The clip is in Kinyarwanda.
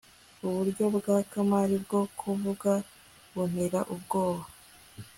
uburyo bwa kamari bwo kuvuga buntera ubwoba